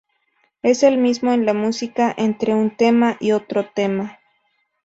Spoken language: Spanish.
Es el mismo en la música entre un tema y otro tema.